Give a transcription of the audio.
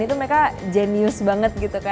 itu mereka jenius banget gitu